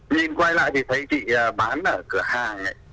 nhìn quay lại thì thấy chị bán ở cửa hàng ấy